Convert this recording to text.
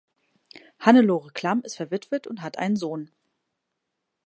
Hannelore Klamm ist verwitwet und hat einen Sohn.